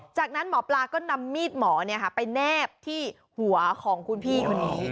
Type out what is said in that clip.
จากนั้นหมอปลาก็นำมีดหมอไปแนบที่หัวของคุณพี่คนนี้